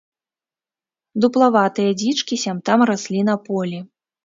Дуплаватыя дзічкі сям-там раслі на полі.